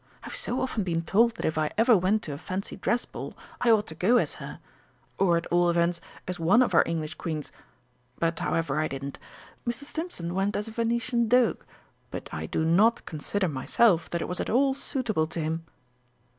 I've so often been told that if I ever went to a Fancy Dress Ball, I ought to go as her or at all events as one of our English Queens. But, however, I didn't. Mr. Stimpson went as a Venetian Doge, but I do not consider myself that it was at all suitable to him."